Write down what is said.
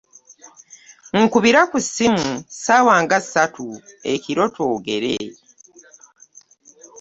Nkubira ku ssimu ssaawa nga ssatu ekiro twogere.